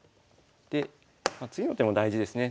で次の手も大事ですね。